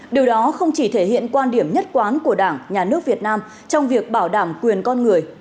điều đó không chỉ thể hiện quan điểm nhất quán của đảng nhà nước việt nam trong việc bảo đảm quyền con người